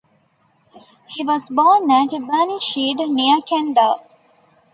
He was born at Burnishead, near Kendal.